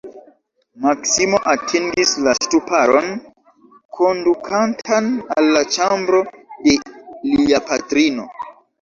Maksimo atingis la ŝtuparon, kondukantan al la ĉambro de lia patrino.